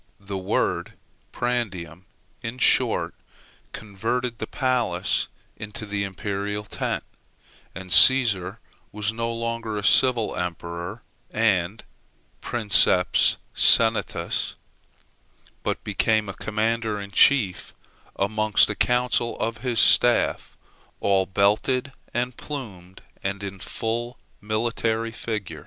The word prandium, in short, converted the palace into the imperial tent; and Cæsar was no longer a civil emperor and princeps senatûs, but became a commander in chief amongst a council of his staff, all belted and plumed, and in full military fig.